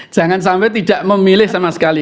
jangan sampai tidak memilih sama sekali